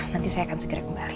nanti saya akan segera kembali